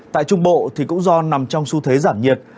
tại trung bộ thì cũng do nằm trong xu thế giảm nhiệt